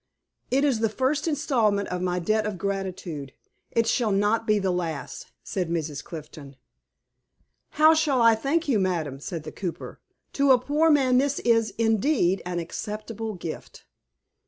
"It is the first installment of my debt of gratitude; it shall not be the last," said Mrs. Clifton. "How shall I thank you, madam?" said the cooper. "To a poor man this is, indeed, an acceptable gift."